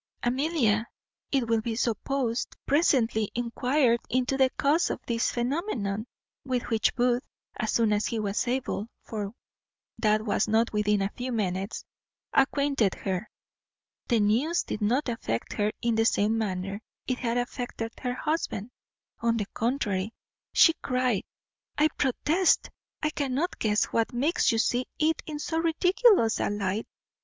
Amelia, it will be supposed, presently enquired into the cause of this phenomenon, with which Booth, as soon as he was able (for that was not within a few minutes), acquainted her. The news did not affect her in the same manner it had affected her husband. On the contrary, she cried, "I protest I cannot guess what makes you see it in so ridiculous a light.